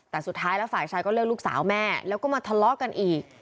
แต่สุดท้ายแล้วฝ่ายชายก็เลือกลูกสาวแม่แล้วก็มาทะเลาะกันอีก